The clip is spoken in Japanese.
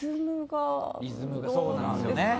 リズムがそうなんですよね。